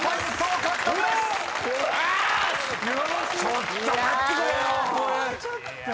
ちょっと待ってくれよ！